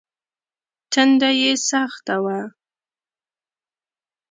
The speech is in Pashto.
تنده يې سخته وه.